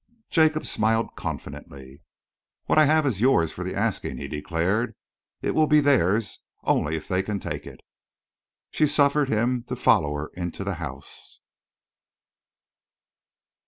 Jacob smiled confidently. "What I have is yours for the asking," he declared. "It will be theirs only if they can take it." She suffered him to follow her into the house.